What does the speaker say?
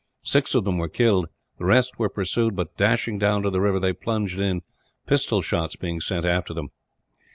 Six of them were killed. The rest were pursued but, dashing down to the river, they plunged in, pistol shots being sent after them.